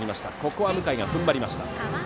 ここは向井が踏ん張りました。